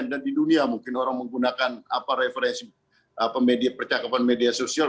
dan di dunia mungkin orang menggunakan referensi percakapan media sosial